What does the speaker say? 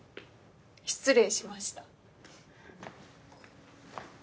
失礼しました。